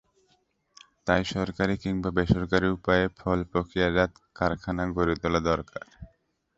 তাই সরকারি কিংবা বেসরকারি উপায়ে ফল প্রক্রিয়াজাত কারখানা গড়ে তোলা দরকার।